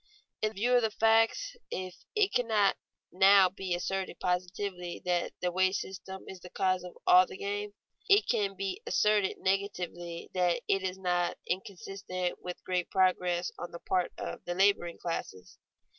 In view of the facts, if it cannot now be asserted positively that the wage system is the cause of all the gain, it can be asserted negatively that it is not inconsistent with great progress on the part of the laboring classes.